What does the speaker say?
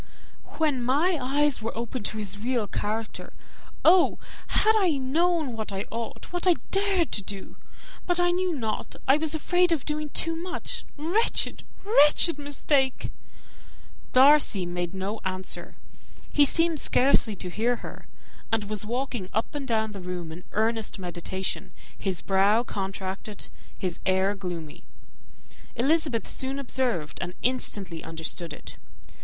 "When my eyes were opened to his real character, oh! had I known what I ought, what I dared to do! But I knew not I was afraid of doing too much. Wretched, wretched mistake!" Darcy made no answer. He seemed scarcely to hear her, and was walking up and down the room in earnest meditation; his brow contracted, his air gloomy. Elizabeth soon observed, and instantly understood it.